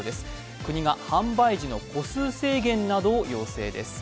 国が販売時の個数制限などを要請です。